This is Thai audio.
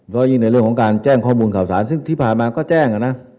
เพราะยิ่งในเรื่องของการแจ้งข้อมูลข่าวสารซึ่งที่ผ่านมาก็แจ้งนะ